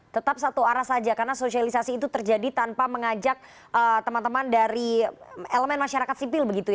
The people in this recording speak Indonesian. tetap satu arah saja karena sosialisasi itu terjadi tanpa mengajak teman teman dari elemen masyarakat sipil